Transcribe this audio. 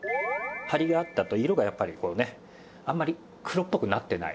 ハリがあってあと色がやっぱりこうねあんまり黒っぽくなってない。